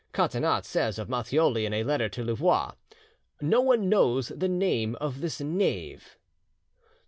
Catinat says of Matthioli in a letter to Louvois "No one knows the name of this knave."